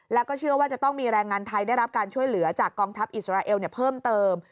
แล้วก็เชื่อว่าจะต้องมีแรงงานไทยได้รับการช่วยเหลือจากกองทัพอิสราเอลเพิ่มเติม